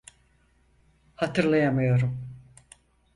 Hatırlayamıyorum.